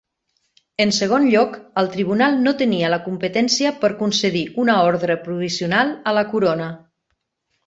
En segon lloc, el tribunal no tenia la competència per concedir una ordre provisional a la Corona.